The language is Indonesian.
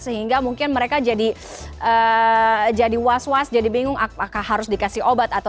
sehingga mungkin mereka jadi was was jadi bingung akan harus berubah